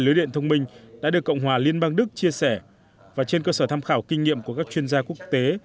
lưới điện thông minh đã được cộng hòa liên bang đức chia sẻ và trên cơ sở tham khảo kinh nghiệm của các chuyên gia quốc tế